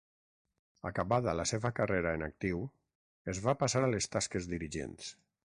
Acabada la seva carrera en actiu, es va passar a les tasques dirigents.